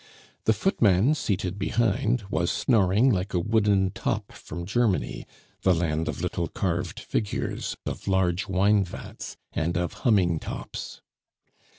The footman, seated behind, was snoring like a wooden top from Germany the land of little carved figures, of large wine vats, and of humming tops.